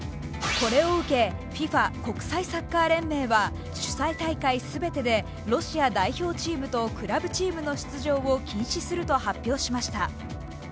これを受け、ＦＩＦＡ＝国際サッカー連盟は主催大会全てでロシア代表チームとクラブチームの出場を禁止すると発表しました。